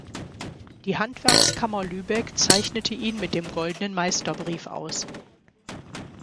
Die Handwerkskammer Lübeck zeichnete ihn mit dem Goldenen Meisterbrief aus.